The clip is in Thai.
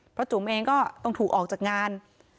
เพราะจุ๋มเองก็ต้องถูกออกจากงาน